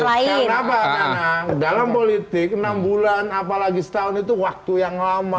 karena apa karena dalam politik enam bulan apalagi setahun itu waktu yang lama